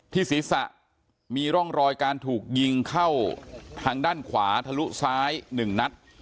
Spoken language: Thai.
ศีรษะมีร่องรอยการถูกยิงเข้าทางด้านขวาทะลุซ้าย๑นัด